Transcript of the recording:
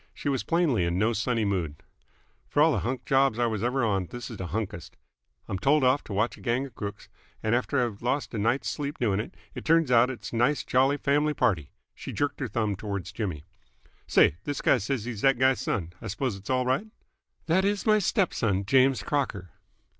She was plainly in no sunny mood. "'f all th' hunk jobs I was ever on, this is th' hunkest. I'm told off 't watch a gang of crooks, and after I've lost a night's sleep doing it, it turns out 't's a nice, jolly fam'ly party!" She jerked her thumb towards Jimmy. "Say, this guy says he's that guy's son. I s'pose it's all right?" "That is my step son, James Crocker."